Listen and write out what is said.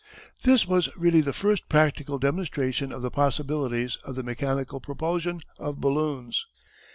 This was really the first practical demonstration of the possibilities of the mechanical propulsion of balloons.